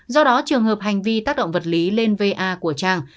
do đó trường hợp hành vi tác động vật lý lên va của trang